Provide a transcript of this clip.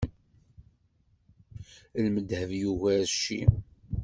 Lmedheb yugar cci.